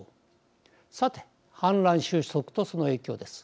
さて反乱収束とその影響です。